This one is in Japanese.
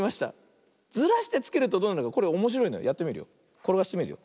ころがしてみるよ。